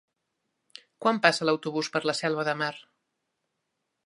Quan passa l'autobús per la Selva de Mar?